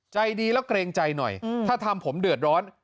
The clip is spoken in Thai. ใจดีแล้วเกรงใจหน่อยถ้าทำผมเดือดร้อน